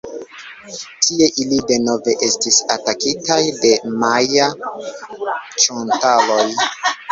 Tie ili denove estis atakitaj de maja-ĉontaloj.